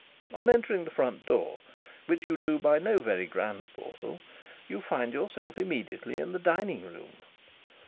On entering the front door, which you do by no very grand portal, you find yourself immediately in the dining room.